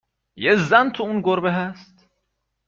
یه زن تو اون گربه هست؟